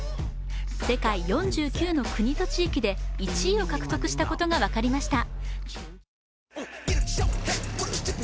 世界４９の国と地域で１位を獲得したことが分かりました。